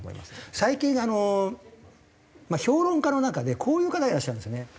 最近あのまあ評論家の中でこういう方がいらっしゃるんですよね。